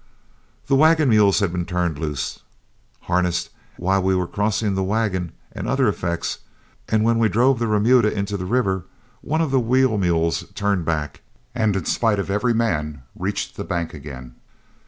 The wagon mules had been turned loose, harnessed, while we were crossing the wagon and other effects; and when we drove the remuda into the river, one of the wheel mules turned back, and in spite of every man, reached the bank again.